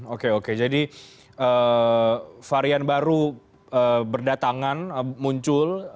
oke oke jadi varian baru berdatangan muncul